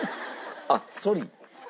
あっソリ。